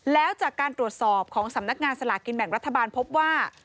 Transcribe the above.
แล้วจากการตรวจสอบของสำนักงานสลากินแบ่งรัฐบาลพบว่า